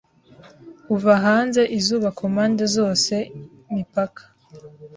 uva hanze izuba ku mpande zose mipaka